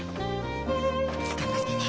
頑張ってね。